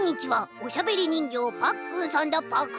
おしゃべりにんぎょうパックンさんだパク」。